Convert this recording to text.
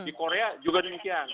di korea juga demikian